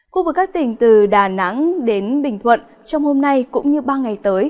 khu vực các tỉnh từ đà nẵng đến bình thuận trong hôm nay cũng như ba ngày tới